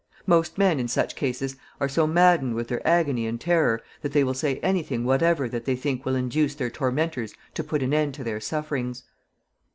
Most men, in such cases, are so maddened with their agony and terror that they will say any thing whatever that they think will induce their tormentors to put an end to their sufferings.